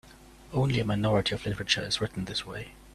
Only a minority of literature is written this way.